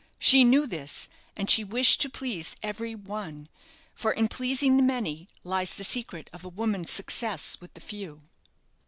She knew this, and she wished to please every one; for in pleasing the many lies the secret of a woman's success with the few.